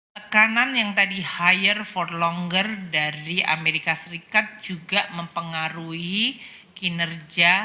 tekanan yang tadi hire for longer dari amerika serikat juga mempengaruhi kinerja